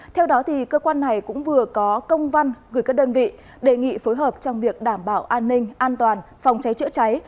theo đó cơ quan này cũng vừa có công văn gửi các đơn vị đề nghị phối hợp trong việc đảm bảo an ninh an toàn phòng cháy chữa cháy